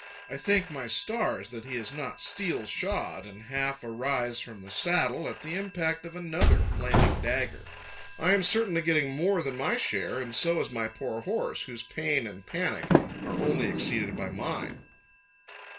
I thank my stars that he is not steel shod, and half arise from the saddle at the impact of another flaming dagger. I am certainly getting more than my share, and so is my poor horse, whose pain and panic are only exceeded by mine.